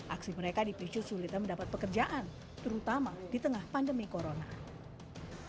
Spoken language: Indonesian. aksi mereka dipicu sulitnya mendapat pekerjaan terutama di tengah pandemi corona